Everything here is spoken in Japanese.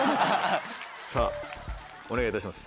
さぁお願いいたします。